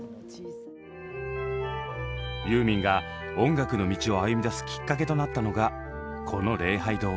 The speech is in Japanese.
ユーミンが音楽の道を歩みだすきっかけとなったのがこの礼拝堂。